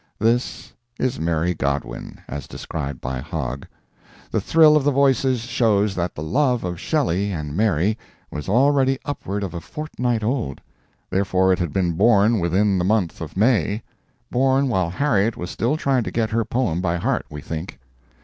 This is Mary Godwin, as described by Hogg. The thrill of the voices shows that the love of Shelley and Mary was already upward of a fortnight old; therefore it had been born within the month of May born while Harriet was still trying to get her poem by heart, we think.